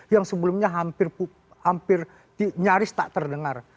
yang sebelumnya hampir nyaris tak terdengar